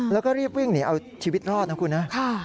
แล้วก็รีบวิ่งหนีเอาชีวิตรอดนะคุณนะ